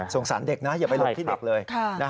สารเด็กนะอย่าไปลงที่เด็กเลย